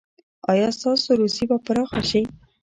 ایا ستاسو روزي به پراخه شي؟